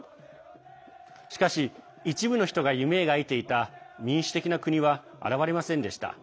しかし、一部の人が夢描いていた民主的な国は現れませんでした。